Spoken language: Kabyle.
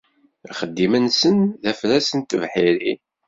Axeddim-nsen d afras n tebḥirin.